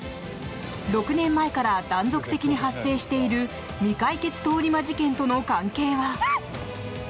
６年前から断続的に発生している未解決通り魔事件との関係は？